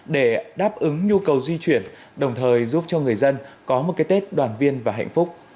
để đáp ứng nhu cầu di chuyển đồng thời giúp cho người dân có một cái tết đoàn viên và hạnh phúc